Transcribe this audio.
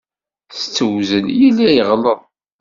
S tewzel, yella yeɣleḍ.